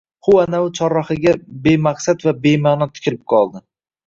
Huv anavi chorrahaga bemaqsad va bema’no tikilib qoldi